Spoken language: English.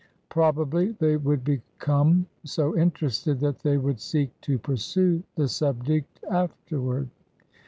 Probably they would be come so interested that they would seek to pursue the subject afterward.